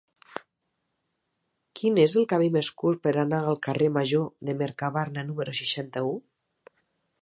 Quin és el camí més curt per anar al carrer Major de Mercabarna número seixanta-u?